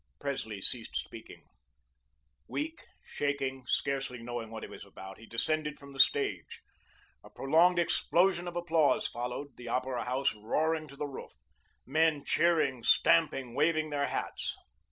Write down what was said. Presley ceased speaking. Weak, shaking, scarcely knowing what he was about, he descended from the stage. A prolonged explosion of applause followed, the Opera House roaring to the roof, men cheering, stamping, waving their hats.